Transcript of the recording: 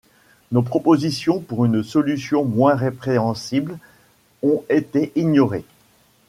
Nos propositions pour une solution moins répréhensible ont été ignorées.